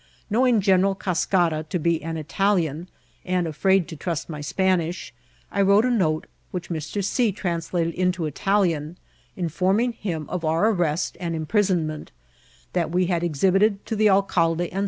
Know* ing General Cascara to be an Italian, and afraid to trust my Spanish, I wrote a note, which Mr. C. trans* lated into Italian, informing him o( our arrest and im prisonment ; that we had exhibited to the alcalde and in PRISOMMXMT.